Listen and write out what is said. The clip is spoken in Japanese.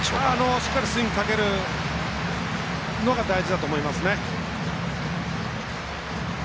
しっかりスイングをかけるのが大事だと思いますね。